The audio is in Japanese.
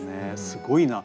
すごいな。